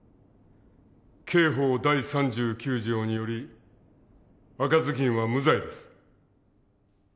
刑法第３９条により赤ずきんは無罪です。